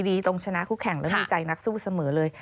ดีตรงชนะคู่แข่งแล้วมีใจนักสู้เสมอเลย